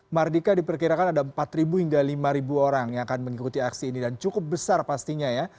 mardika diperkirakan ada empat hingga lima orang yang akan mengikuti aksi ini dan cukup besar pastinya ya